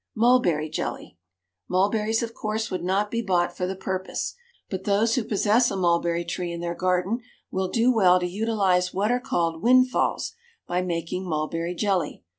MULBERRY JELLY. Mullberries, of course, would not be bought for the purpose, but those who possess a mulberry tree in their garden will do well to utilise what are called windfalls by making mulberry jelly.